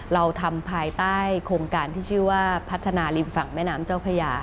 เราทำภายใต้โครงการที่ชื่อว่าพัฒนาริมฝั่งแม่น้ำเจ้าพญา